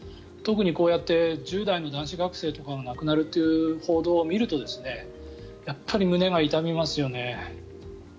特にこうやって１０代の男子学生が亡くなるという報道を見るとやっぱり胸が痛みますよね。